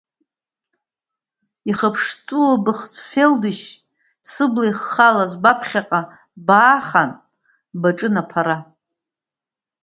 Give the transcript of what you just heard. Ихьыԥштәылоу быхцәы-фелдышь сыбла иххалаз баԥхьаҟа баахан, баҿын аԥара.